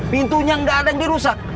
pintunya nggak ada yang dirusak